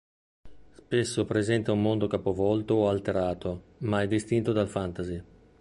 Spesso presenta un mondo capovolto o alterato, ma è distinto dal fantasy.